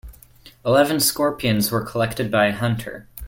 Eleven scorpions were collected by a hunter.